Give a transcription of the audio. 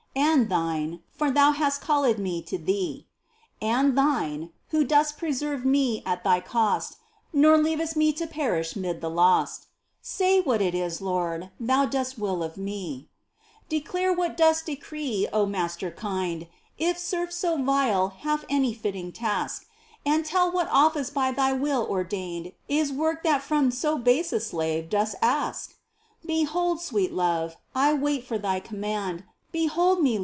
And Thine, for Thou hast called me to Thee, And Thine, Who dost preserve me at Thy cost Nor leavest me to perish 'mid the lost — Say what it is, Lord, Thou dost will of me. 3 MINOR WORKS OF ST. TERESA. Declare what dost decree, O Master kind ! If serf so vile have any fitting task, And tell what office by Thy will ordained Is work that from so base a slave dost ask ! Behold, sweet Love, I wait for Thy command, Behold me.